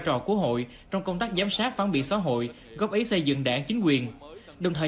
trò của hội trong công tác giám sát phán biệt xã hội góp ý xây dựng đảng chính quyền đồng thời